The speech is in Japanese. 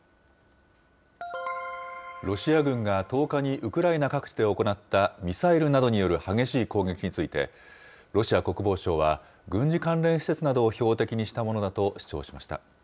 ロシア軍が１０日にウクライナ各地で行ったミサイルなどによる激しい攻撃について、ロシア国防省は、軍事関連施設などを標的にしたものだと主張しました。